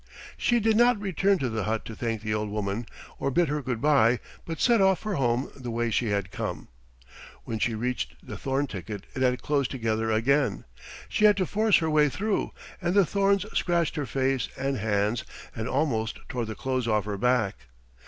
She did not return to the hut to thank the old woman or bid her good by but set off for home the way she had come. When she reached the thorn thicket it had closed together again. She had to force her way through, and the thorns scratched her face and hands and almost tore the clothes off her back.